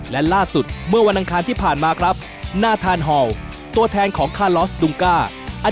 และล่าสุดเมื่อวันอังคารที่ผ่านมาครับนาธานฮอลตัวแทนของคาลอสดุงก้า